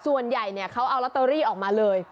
ส่วนใหญ่เนี้ยเค้าเอาออกมาเลย